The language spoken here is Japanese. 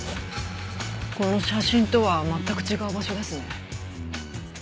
この写真とは全く違う場所ですね。